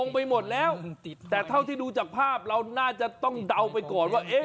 ไปหมดแล้วแต่เท่าที่ดูจากภาพเราน่าจะต้องเดาไปก่อนว่าเอ๊ะ